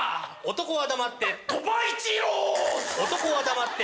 男は黙って。